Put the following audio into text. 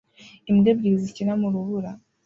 Imbwa ebyiri zikina mu rubura